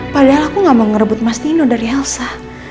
padahal aku gak mau ngerebut mas nino dari elsa